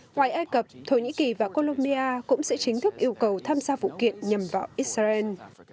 ngoài ai cập thổ nhĩ kỳ và colomia cũng sẽ chính thức yêu cầu tham gia vụ kiện nhằm vào israel